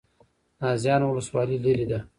نازیانو ولسوالۍ لیرې ده؟